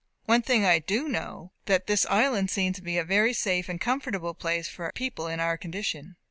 One thing I do know, that this island seems to be a very safe and comfortable place for people in our condition.